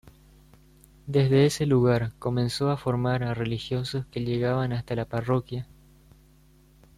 Desde ese lugar, comenzó a formar a religiosos que llegaban hasta la parroquia.